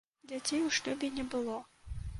Дзяцей у шлюбе не было.